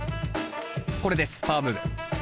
これですパワームーブ。